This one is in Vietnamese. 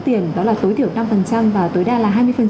phải đặt trước tiền đó là tối thiểu năm và tối đa là hai mươi